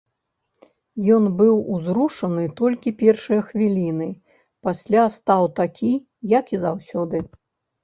Ён быў узрушаны толькі першыя хвіліны, пасля стаў такі, як і заўсёды.